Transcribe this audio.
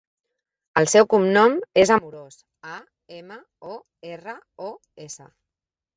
El seu cognom és Amoros: a, ema, o, erra, o, essa.